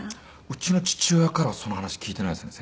うちの父親からはその話聞いていないですね